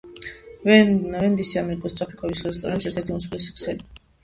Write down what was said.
ვენდისი ამერიკული სწრაფი კვების რესტორნების ერთ-ერთი უმსხვილესი ქსელია